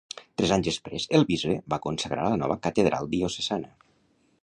Tres anys després el bisbe va consagrar la nova catedral diocesana.